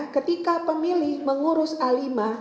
ketika pemilih mengurus a lima